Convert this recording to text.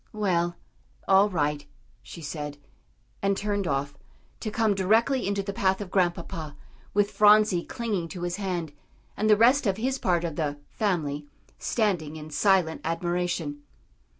"Well, all right," she said, and turned off, to come directly into the path of Grandpapa, with Phronsie clinging to his hand, and the rest of his part of the "family" standing in silent admiration.